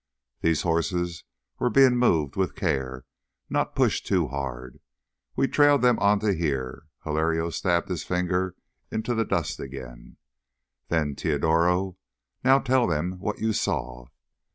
These horses were being moved with care—not pushed too hard. We trailed them on to here." Hilario stabbed his finger into the dust again. "Then—Teodoro, now tell them what you saw."